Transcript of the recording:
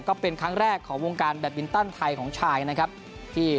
ก็เป็นครั้งแรกของวงการแบตบินตันไทยของชายนะครับที่